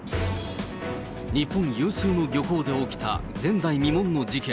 日本有数の漁港で起きた前代未聞の事件。